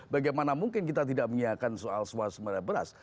bagaimana mungkin kita tidak menyiapkan soal suasana pada beras